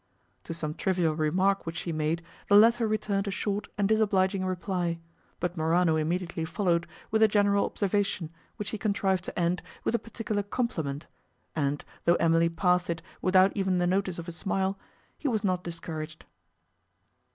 To some trivial remark which she made, the latter returned a short and disobliging reply; but Morano immediately followed with a general observation, which he contrived to end with a particular compliment, and, though Emily passed it without even the notice of a smile, he was not discouraged.